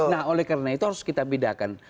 nah oleh karena itu harus kita bedakan